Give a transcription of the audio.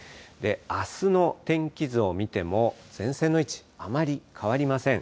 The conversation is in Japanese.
あすの天気図を見ても、前線の位置、あまり変わりません。